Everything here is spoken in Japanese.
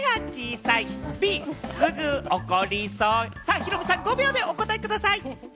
ヒロミさん、５秒でお答えください！